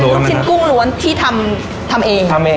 ค่ะเป็นลูกชิ้นกรุงล้วนที่ทำทำเองครับทำเอง